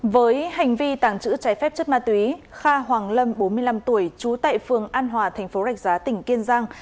với hành vi tàng trữ trái phép chất ma túy kha hoàng lâm bốn mươi năm tuổi trú tại phường an hòa thành phố rạch giá tỉnh kiên giang